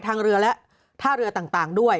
ทางเรือและท่าเรือต่างด้วย